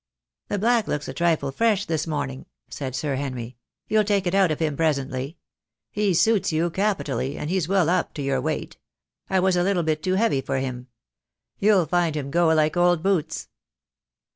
"The black looks a trine fresh this morning," said Sir Henry. "You'll take it out of him presently. He suits you capitally, and he's well up to your weight. I was a little bit too heavy for him. You'll find him go like old boots."